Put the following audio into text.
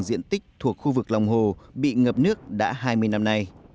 diện tích thuộc khu vực lòng hồ bị ngập nước đã hai mươi năm nay